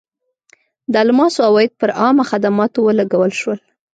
د الماسو عواید پر عامه خدماتو ولګول شول.